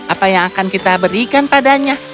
apa yang akan kita berikan padanya